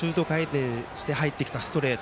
内側にややシュート回転して入ってきたストレート。